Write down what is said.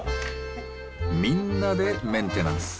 みんなでメンテナンス。